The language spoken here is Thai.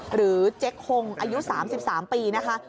หรือเจ๊คงอายุ๓๓ปีนะคะ